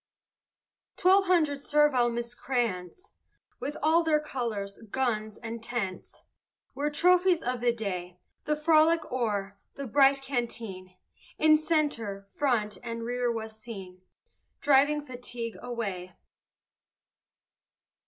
Twelve hundred servile miscreants, With all their colors, guns, and tents, Were trophies of the day. The frolic o'er, the bright canteen, In centre, front, and rear was seen Driving fatigue away.